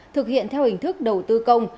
thực hiện theo hình thức đầu tư công